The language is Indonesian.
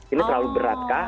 ini terlalu berat kah